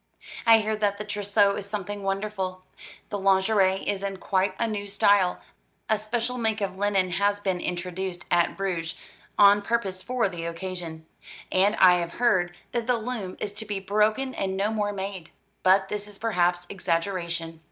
"I hear that the trousseau is something wonderful. The lingerie is in quite a new style; a special make of linen has been introduced at Bruges on purpose for the occasion, and I have heard that the loom is to be broken and no more made. But this is perhaps exaggeration.